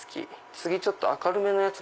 次ちょっと明るめのやつ